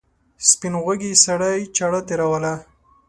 سپین غوږي سړي چاړه تېروله.